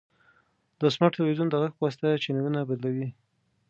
دا سمارټ تلویزیون د غږ په واسطه چینلونه بدلوي.